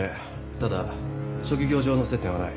ただ職業上の接点はない。